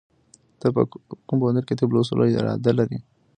ته په کوم پوهنتون کې د طب د لوستلو اراده لرې؟